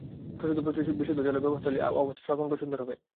শুধু প্রচুর বিশুদ্ধ জলের ব্যবস্থা হলেই অবস্থা সর্বাঙ্গসুন্দর হবে।